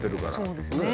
そうですね。